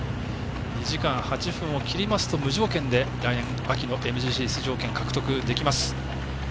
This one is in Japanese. ２時間８分を切りますと無条件で秋のＭＧＣ出場権獲得できます。